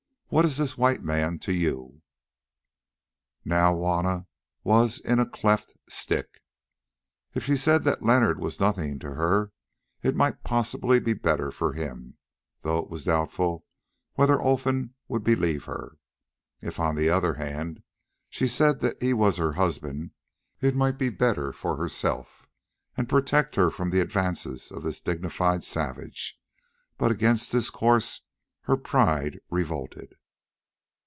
What is this white man to you?" Now Juanna was "in a cleft stick"; if she said that Leonard was nothing to her, it might possibly be better for him, though it was doubtful whether Olfan would believe her. If, on the other hand, she said that he was her husband, it might be better for herself, and protect her from the advances of this dignified savage; but against this course her pride revolted.